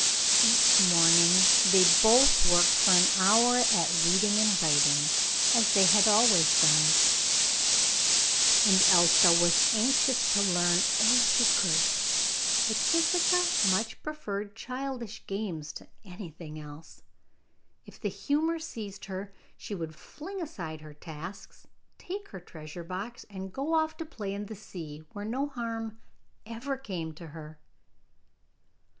Each morning they both worked for an hour at reading and writing, as they had always done, and Elsa was anxious to learn all she could, but Kisika much preferred childish games to anything else. If the humour seized her, she would fling aside her tasks, take her treasure box, and go off to play in the sea, where no harm ever came to her.